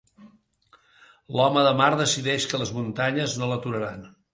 L'home de mar decideix que les muntanyes no l'aturaran.